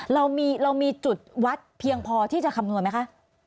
เรามีจุดวัดเพียงพอที่จะคำนวณไหมคะ